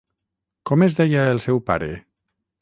Com es deia el seu pare?